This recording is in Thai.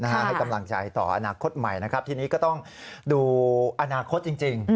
ให้กำลังใจต่ออนาคตใหม่นะครับทีนี้ก็ต้องดูอนาคตจริง